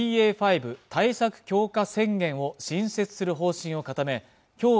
５対策強化宣言を新設する方針を固めきょう